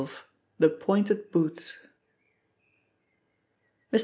— THE POINTED BOOTS MR.